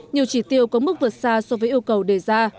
nhiều chỉ tiêu có mức vượt xa so với yêu cầu đề ra